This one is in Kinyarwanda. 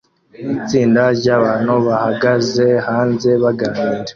Itsinda ryabantu bahagaze hanze baganira